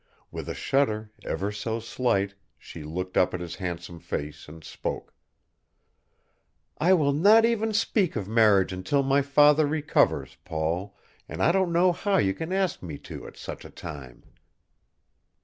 With a shudder, ever so slight, she looked up at his handsome face and spoke. "I will not even speak of marriage until my father recovers, Paul, and I don't know how you can ask me to at such a time."